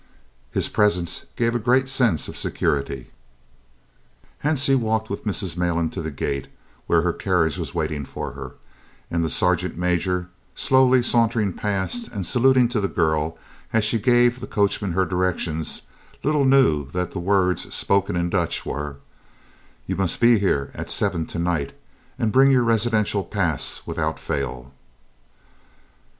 His presence gave a great sense of security! Hansie walked with Mrs. Malan to the gate, where her carriage was waiting for her, and the sergeant major, slowly sauntering past and saluting to the girl as she gave the coachman her directions, little knew that the words spoken in Dutch were: "You must be here at 7 to night, and bring your residential pass without fail."